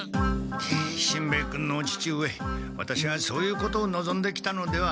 しんべヱ君のお父上ワタシはそういうことをのぞんで来たのではありません。